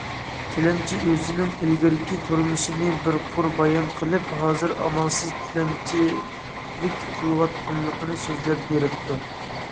تىلەمچى ئۆزىنىڭ ئىلگىرىكى تۇرمۇشىنى بىر قۇر بايان قىلىپ، ھازىر ئامالسىز تىلەمچىلىك قىلىۋاتقانلىقىنى سۆزلەپ بېرىپتۇ.